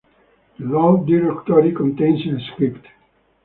The load directory contains a script